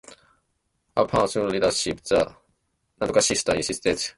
Upon assuming leadership, the Stowe sisters initiated significant changes in the curriculum.